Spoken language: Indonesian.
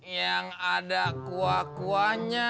yang ada kuah kuahnya